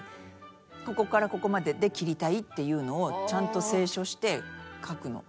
ここからここまでで切りたいっていうのをちゃんと清書して書くの。